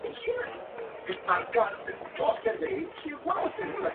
Las llaves, serán distribuidas mediante sorteo acorde a los parámetros establecidos por la Dimayor.